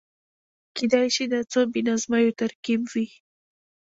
کېدای شي د څو بې نظمیو ترکيب وي.